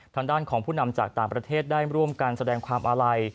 ทางด้านของผู้นำจากต่างประเทศได้ร่วมกันแสดงความอาลัย